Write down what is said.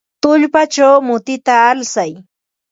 Tullpachaw mutita alsay.